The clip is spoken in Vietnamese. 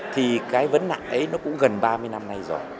thì cái vấn nạn ấy nó cũng gần ba mươi năm nay rồi